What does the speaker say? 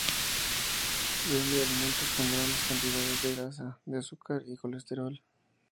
Vende alimentos con grandes cantidades de grasa, de azúcar y colesterol.